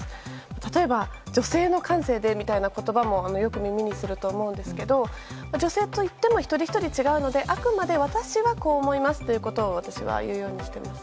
例えば女性の感性でみたいな言葉もよく耳にすると思うんですけど女性といっても一人ひとり違うのであくまで私はこう思いますということを私は言うようにしてます。